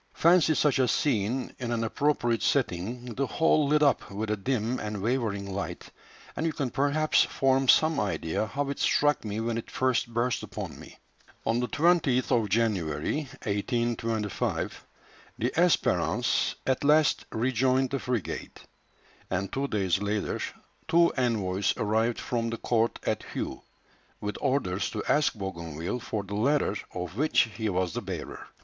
Fancy such a scene in an appropriate setting, the whole lit up with a dim and wavering light, and you can perhaps form some idea how it struck me when it first burst upon me." On the 20th of January, 1825, the Espérance at last rejoined the frigate; and, two days later, two envoys arrived from the court at Hué, with orders to ask Bougainville for the letter of which he was the bearer.